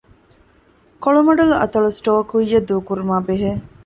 ކޮޅުމަޑުލު އަތޮޅު ސްޓޯރ ކުއްޔަށް ދޫކުރުމާބެހޭ